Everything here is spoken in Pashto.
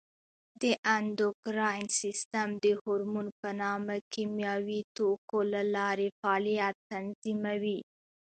د اندوکراین سیستم د هورمون په نامه کیمیاوي توکو له لارې فعالیت تنظیموي.